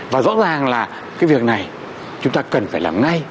và rõ ràng là cái việc này chúng ta cần phải làm ngay